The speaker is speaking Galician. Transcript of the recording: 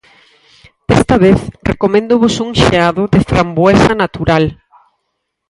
Desta vez recoméndovos un xeado de framboesa natural.